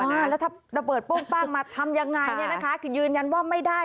แล้วถ้าระเบิดปุ้งปั้งมาทำอย่างไรคือยืนยันว่าไม่ได้